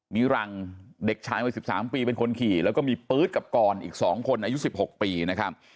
มีรังเด็กชายวัย๑๓ปีเป็นคนขี่แล้วก็มีปื๊ดกับกรอีก๒คนอายุ๑๖ปีนะครับ